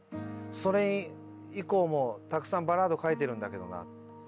それ以降もたくさんバラード書いてるんだけどな。